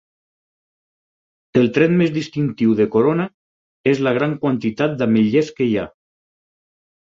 El tret més distintiu de Corona és la gran quantitat d'ametllers que hi ha.